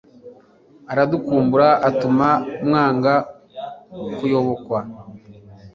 aradukumbura atuma mwanga-kuyobokwa